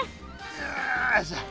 よいしょ！